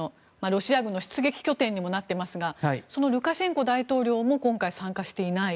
ロシア軍の出撃拠点にもなっていますがそのルカシェンコ大統領も今回、参加していない。